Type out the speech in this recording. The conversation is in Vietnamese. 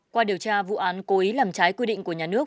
qua điều tra vụ án cố ý làm trái quy định của nhà nước